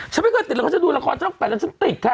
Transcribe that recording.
ฉันไม่เคยติดเลยเขาจะดูละครช่อง๘แล้วฉันติดค่ะ